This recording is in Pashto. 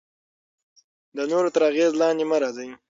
د نورو تر اغیز لاندې مه راځئ.